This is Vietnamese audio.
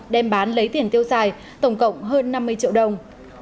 đem bán lấy tiền tiêu xài tổng cộng hơn năm mươi triệu đồng